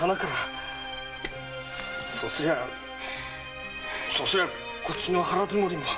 そうすりゃこっちの腹づもりも。